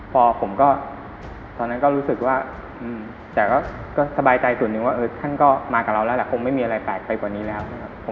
พอผมก็ตอนนั้นก็รู้สึกว่าแต่ก็สบายใจส่วนหนึ่งว่าท่านก็มากับเราแล้วแหละคงไม่มีอะไรแปลกไปกว่านี้แล้วนะครับ